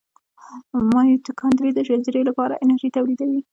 مایتوکاندري د حجرې لپاره انرژي تولیدوي